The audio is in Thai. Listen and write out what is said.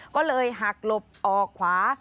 ก็เลยหักหลบออกขวา